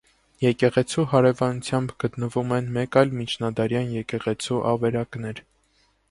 Եկեղեցու հարևանությամբ գտնվում են մեկ այլ միջնադարյան եկեղեցու ավերակներ։